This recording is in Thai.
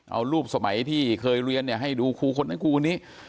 เอารูปสมัยที่เคยเรียนให้ดูครูคนนั้นครูคนนี้